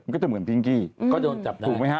มันก็จะเหมือนพิงกี้ถูกไหมฮะ